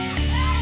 terima kasih bu